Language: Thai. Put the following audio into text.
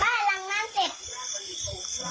บ้านหลังนั้นเสร็จ